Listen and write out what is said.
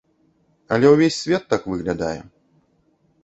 Але ўвесь свет так выглядае.